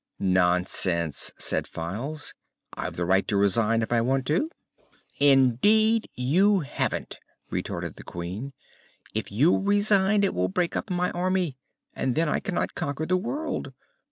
"Nonsense," said Files. "I've the right to resign if I want to." "Indeed you haven't!" retorted the Queen. "If you resign it will break up my Army, and then I cannot conquer the world."